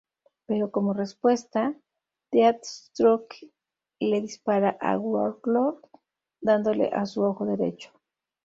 Pero como respuesta, Deathstroke le dispara a Warlord dándole a su ojo derecho.